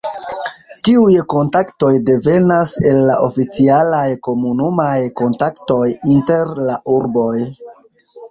Tiuj kontaktoj devenas el la oficialaj komunumaj kontaktoj inter la urboj.